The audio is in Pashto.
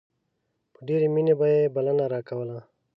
په ډېرې مينې به يې بلنه راکوله.